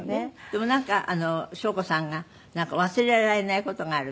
でもなんか翔子さんが忘れられない事があるとかって。